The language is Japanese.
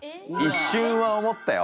一瞬は思ったよ